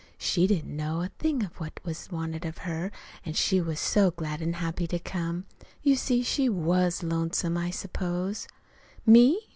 She didn't know a thing of what was wanted of her, an' she was so glad an' happy to come. You see, she was lonesome, I suppose. "'Me?